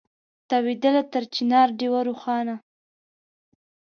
تاوېدله تر چنار ډېوه روښانه